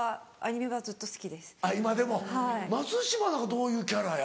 松嶋なんかどういうキャラや？